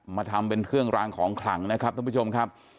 มาทำเป็นเครื่องรางของขลังนะครับท่านผู้ชมครับ